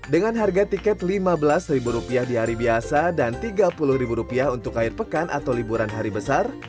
dengan harga tiket rp lima belas di hari biasa dan rp tiga puluh untuk air pekan atau liburan hari besar